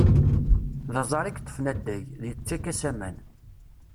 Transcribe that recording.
D aẓar i yeṭṭfen addag, yettak-as aman.